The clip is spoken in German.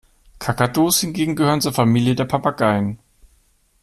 Kakadus hingegen gehören zur Familie der Papageien.